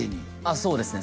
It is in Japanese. そうですね